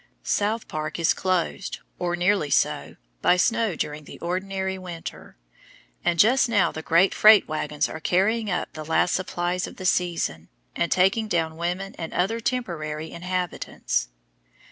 South Park is closed, or nearly so, by snow during an ordinary winter; and just now the great freight wagons are carrying up the last supplies of the season, and taking down women and other temporary inhabitants.